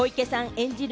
演じる